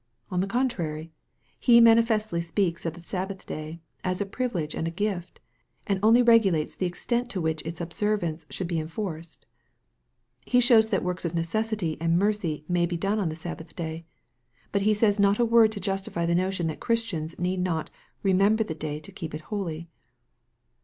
On the contrary, He manifestly speaks of the Sabbath day as a privilege and a gift, and only regulates the extent to which its observance should be enforced. He shows that works of necessity and mercy may be done on the Sabbath day ; but He saya not a word to justify the notion that Christians need not " remember the daj to keep it holy."